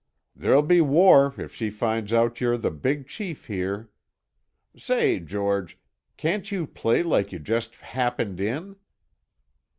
There'll be war if she finds out you're the big chief here. Say, George, can't you play like you just happened in?"